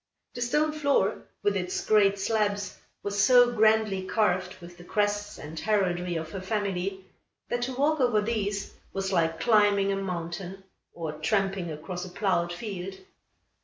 The stone floor, with its great slabs, was so grandly carved with the crests and heraldry of her family, that to walk over these was like climbing a mountain, or tramping across a ploughed field.